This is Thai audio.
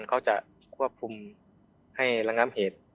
เค้าจะควบคุมให้รังนามเหตุ